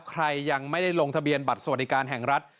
ใครยังไม่ได้ลงทะเบียนบัตรสวัสดิการแห่งรัฐ